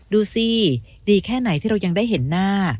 ดูสิดีแค่ไหนที่เรายังได้เห็นหน้า